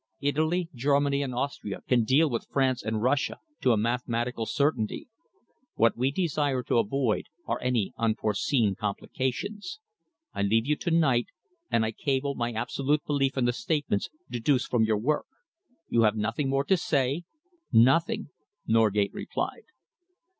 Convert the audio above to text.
Italy, Germany, and Austria can deal with France and Russia to a mathematical certainty. What we desire to avoid are any unforeseen complications. I leave you to night, and I cable my absolute belief in the statements deduced from your work. You have nothing more to say?" "Nothing," Norgate replied.